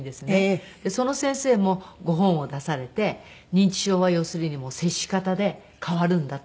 その先生もご本を出されて認知症は要するに接し方で変わるんだと。